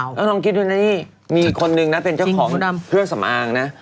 แล้วลองคิดดูนะนี่มีคนนึงนะเป็นเจ้าของเครื่องสำอางนะ